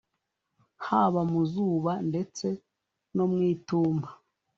haba mu zuba ndetse no mu itumba